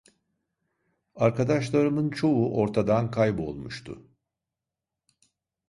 Arkadaşlarımın çoğu ortadan kaybolmuştu.